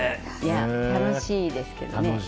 楽しいですけどね。